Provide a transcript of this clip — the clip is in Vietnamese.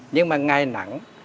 nhưng mà ngày nắng